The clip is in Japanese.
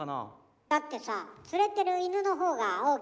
だってさ連れてる犬のほうが大きく見える。